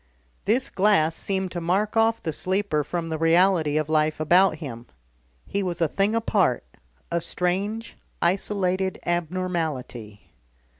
This glass seemed to mark off the sleeper from the reality of life about him, he was a thing apart, a strange, isolated abnormality.